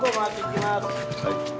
はい。